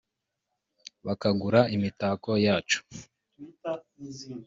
bakagura imitako yacu